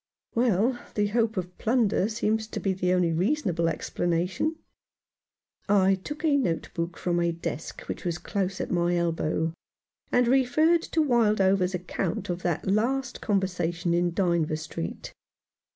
"Well, the hope of plunder seems to be the only reasonable explanation." I took a notebook from a desk which was close at my elbow, and referred to Wildover's account of that last conversation in Dynevor Street.